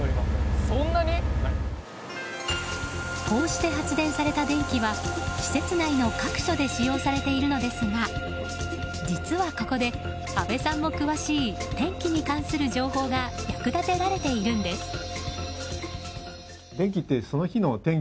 こうして発電された電気は施設内の各所で使用されているのですが実はここで阿部さんも詳しい天気に関する情報が役立てられているんです。